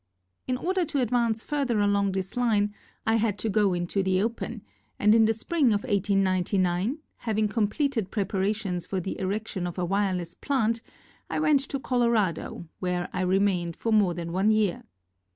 In order to advance fur ther along this line I had to go into the open, and in the spring of 1899, having completed preparations for the erection of a wireless plant, I went to Colorado where I remained for more than one year.